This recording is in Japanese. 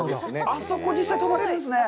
あそこに泊まれるんですね！